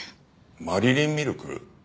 マリリンミルク？